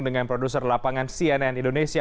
dengan produser lapangan cnn indonesia